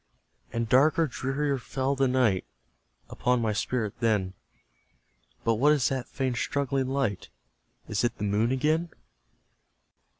And darker, drearier fell the night Upon my spirit then; But what is that faint struggling light? Is it the Moon again?